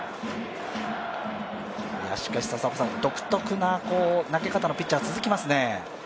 独特な投げ方のピッチャー続きますね。